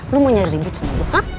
lu mau nyari ribut sama gue